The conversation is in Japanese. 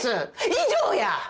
以上や！